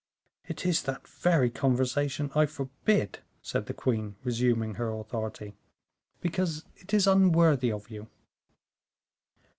"It is that very conversation I forbid," said the queen, resuming her authority, "because it is unworthy of you."